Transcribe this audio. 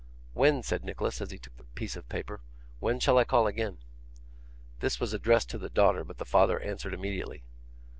'When,' said Nicholas, as he took the piece of paper, 'when shall I call again?' This was addressed to the daughter, but the father answered immediately.